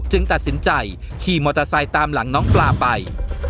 ตัดสินใจขี่มอเตอร์ไซค์ตามหลังน้องปลาไป